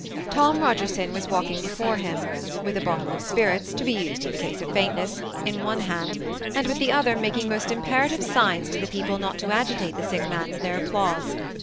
Tom Bogerson was walking beside him, with a bottle of spirits (to be used in case of faintness) in one hand, and with the other making i&ost imperative signs to the people not to agitate the sick man with their applause.